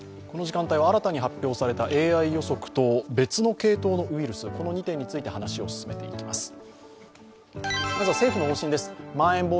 この時間帯は新たに発表されたＡＩ予測と別の系統のウイルス、この２点について話を進めていきます。